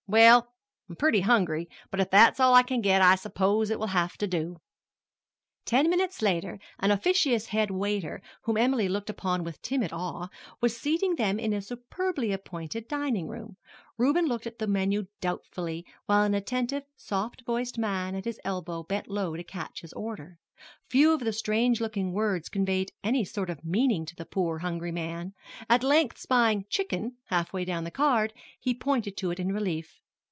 "Well, I'm pretty hungry; but if that's all I can get I suppose it will have to do." Ten minutes later an officious head waiter, whom Emily looked upon with timid awe, was seating them in a superbly appointed dining room. Reuben looked at the menu doubtfully, while an attentive, soft voiced man at his elbow bent low to catch his order. Few of the strange looking words conveyed any sort of meaning to the poor hungry man. At length spying "chicken" halfway down the card, he pointed to it in relief.